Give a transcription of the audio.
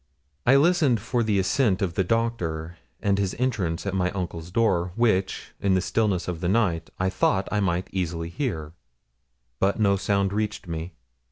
I listened for the ascent of the doctor, and his entrance at my uncle's door, which, in the stillness of the night, I thought I might easily hear, but no sound reached me.